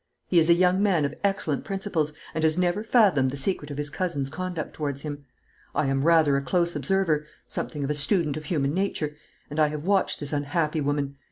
He is a young man of excellent principles, and has never fathomed the secret of his cousin's conduct towards him. I am rather a close observer, something of a student of human nature, and I have watched this unhappy woman.